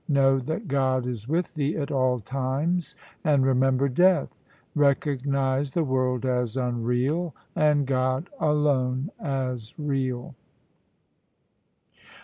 Know that God is with thee at all times and remember death. Recog nize the world as unreal, and God alone as real.'